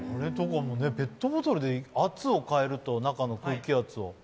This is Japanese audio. ペットボトルで圧を変えると、中の空気圧を。